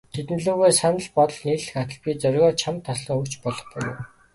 Тэдэн лүгээ санаа бодол нийлэх атал, би зоригоор чамд таслан өгч болох буюу.